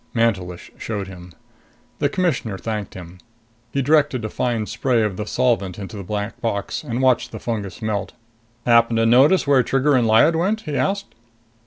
Mantelish showed him. The Commissioner thanked him. He directed a fine spray of the solvent into the black box and watched the fungus melt. "Happen to notice where Trigger and Lyad went?" he asked.